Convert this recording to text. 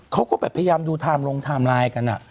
เขาก็แบบพยายามดูไทม์ลงไทม์ไลน์กัน